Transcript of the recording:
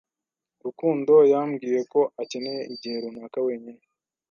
Rukundo yambwiye ko akeneye igihe runaka wenyine.